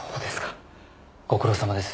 ご苦労さまです。